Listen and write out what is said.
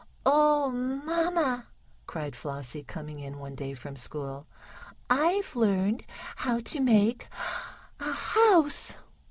"Oh, mamma!" cried Flossie, coming in one day from school, "I've learned how to make a house."